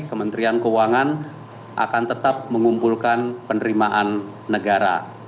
kementerian keuangan akan tetap mengumpulkan penerimaan negara